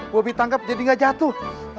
bobi tangkap jadi nggak jatuh